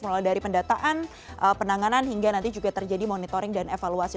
mulai dari pendataan penanganan hingga nanti juga terjadi monitoring dan evaluasi